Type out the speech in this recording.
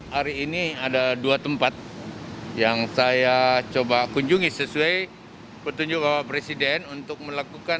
hari ini ada dua tempat yang saya coba kunjungi sesuai petunjuk bapak presiden untuk melakukan